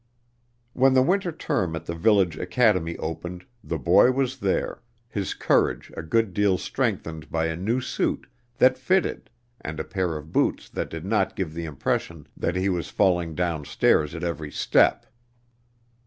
When the winter term at the village academy opened, the boy was there, his courage a good deal strengthened by a new suit that fitted and a pair of boots that did not give the impression that he was falling downstairs at every step.